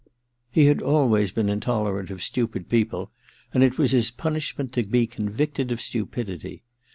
He had always / been intolerant of stupid people, and it was his \ punishment to be convicted of stupidity.